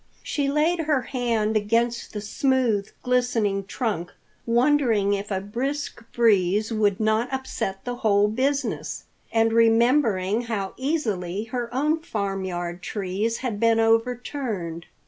She laid her hand against the smooth, glistening trunk, wondering if a brisk breeze would not upset the whole business, and remembering how easily her own farmyard trees had been overturned.